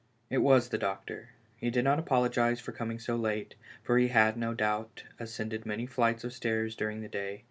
It was the doctor; he did not apologize for coming so late, for he had, no doubt, ascended many flights of stairs during the day.